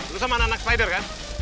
lu sama anak anak spider kan